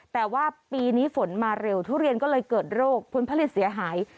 แต่ว่าปีนี้ฝนมาเร็วทุเรียนก็เลยเกิดโรคผลผลิตเสียหาย